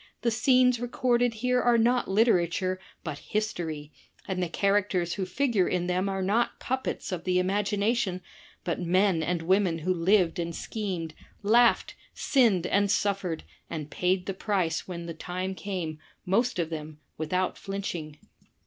The scenes recorded here are not literature but history, and the characters who figure in them are not puppets of the imagination, but men and women who lived and schemed, laughed, sinned and suffered, and paid the price when the time came, most of them, without flinching.